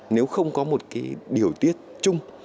nếu không có một cái điều tiết chung